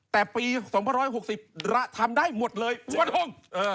แต่ปี๒๖๖๐ทำได้หมดเลยบุคคลทุ่ง